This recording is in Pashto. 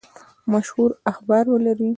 مشهور اخبار ولري.